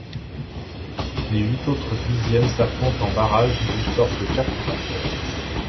Les huit autres deuxièmes s'affrontent en barrages d'où sortent quatre vainqueurs.